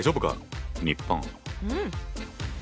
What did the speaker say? うん。